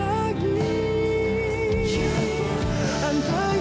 aku akan mencari penyembuhanmu